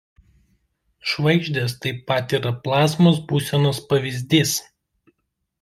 Žvaigždės taip pat yra plazmos būsenos pavyzdys.